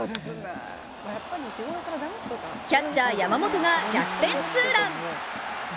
キャッチャー・山本が逆転ツーラン。